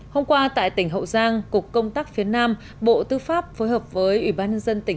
hôm qua tại tỉnh hậu giang cục công tác phía nam bộ tư pháp phối hợp với ủy ban nhân dân tỉnh